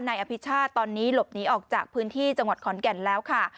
นายอภิชาติตอนนี้หลบหนีออกจากพื้นที่จังหวัดขอนแก่นแล้วค่ะ